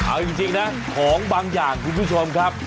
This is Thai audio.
เอาจริงนะของบางอย่างคุณผู้ชมครับ